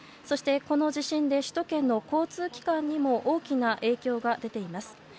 そして、この地震で首都圏の交通機関にも大きな影響が出ています。